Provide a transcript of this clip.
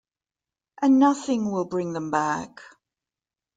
And nothing will bring them back.